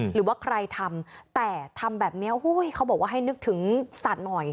หรือว่าใครทำแต่ทำแบบนี้เขาบอกว่าให้นึกถึงสัตว์หน่อย